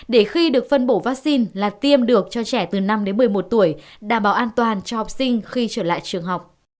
để khi được phân bổ vaccine là tiêm được cho trẻ từ năm đến một mươi một tuổi đảm bảo an toàn cho học sinh khi trở lại trường học